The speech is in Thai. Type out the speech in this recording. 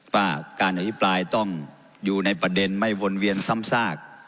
ว่าการอภิปรายต้องอยู่ในประเด็นไม่วนเวียนซ้ำซาก